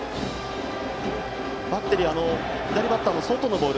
バッテリーは左バッターの外のボール。